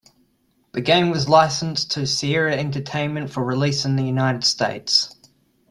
The game was licensed to Sierra Entertainment for release in the United States.